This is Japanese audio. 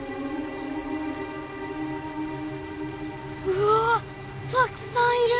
うわたくさんいる！